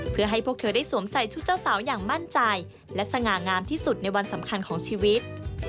เพื่อให้พวกเธอได้สวมใส่ชุดเจ้าสาวอย่างมั่นใจและสง่างามที่สุดในวันสำคัญของชีวิต